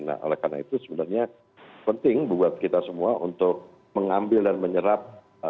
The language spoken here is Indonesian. nah oleh karena itu sebenarnya penting buat kita semua untuk mengambil dan menyerap